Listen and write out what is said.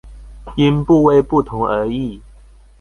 因部位不同而異